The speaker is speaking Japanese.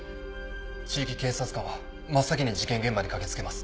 地域警察官は真っ先に事件現場に駆け付けます。